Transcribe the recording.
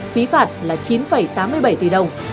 phí phạt là chín tám mươi bảy tỷ đồng